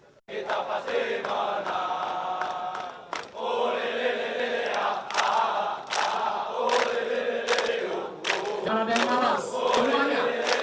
dengan semangat didadak